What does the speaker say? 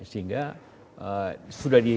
sehingga sudah di awal sudah di awal